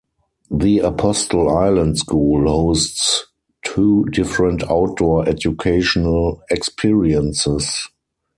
The Apostle Island School hosts two different outdoor-educational experiences.